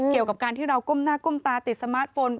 เกี่ยวกับการที่เราก้มหน้าก้มตาติดสมาร์ทโฟน